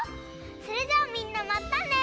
それじゃあみんなまたね！